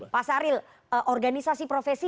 pak saril organisasi profesi